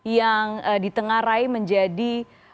yang ditengarai menjadi